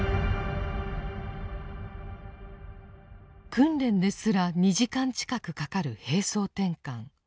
訓練ですら２時間近くかかる兵装転換。